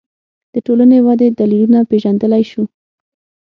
د ټولنې ودې دلیلونه پېژندلی شو